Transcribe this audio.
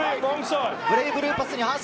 ブレイブルーパスに反則。